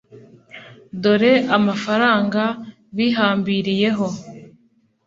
dore amafaranga bihambiriyeho